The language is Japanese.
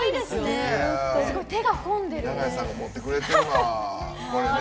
長屋さんが持ってくれてるわ。